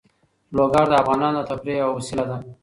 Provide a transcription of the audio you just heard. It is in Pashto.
لوگر د افغانانو د تفریح یوه وسیله ده.